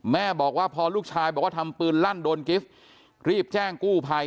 แม่บอกว่าพอลูกชายบอกว่าทำปืนลั่นโดนกิฟต์รีบแจ้งกู้ภัย